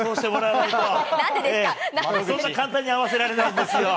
そんな簡単に会わせられないんですよ。